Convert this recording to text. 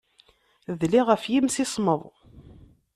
Dliɣ ɣef yimsismeḍ.